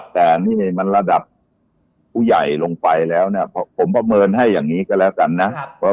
แต่นี่มันระดับผู้ใหญ่ลงไปแล้วเนี่ยผมประเมินให้อย่างนี้ก็แล้วกันนะ